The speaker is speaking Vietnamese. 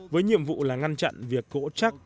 với nhiệm vụ là ngăn chặn việc gỗ chắc